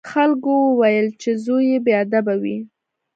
خلکو وویل چې زوی یې بې ادبه دی.